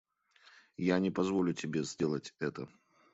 Я не позволю тебе сделать это.